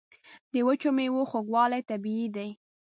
د وچو میوو خوږوالی طبیعي دی.